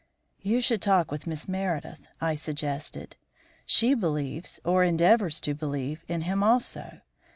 "You should talk with Miss Meredith," I suggested. "She believes, or endeavours to believe, in him also.